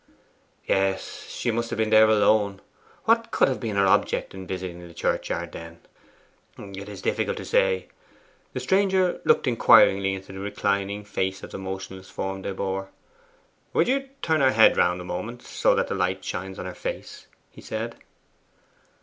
'Yes. She must have been there alone. What could have been her object in visiting the churchyard then? 'It is difficult to say.' The stranger looked inquiringly into the reclining face of the motionless form they bore. 'Would you turn her round for a moment, so that the light shines on her face?' he said.